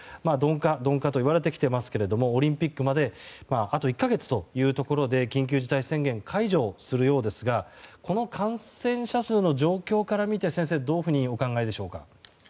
鈍化といわれてきていますけどもオリンピックまであと１か月というところで緊急事態宣言解除するようですがこの感染者数の状況から見て先生はどういうふうにお考えでしょうか？